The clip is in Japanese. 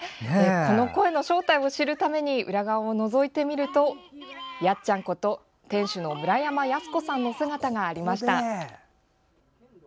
この声の正体を知るために裏側をのぞいてみるとやっちゃんこと、店主の村山保子さんの姿がありました。